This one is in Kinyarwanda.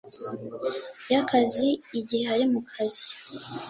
Y akazi igihe ari mu kazi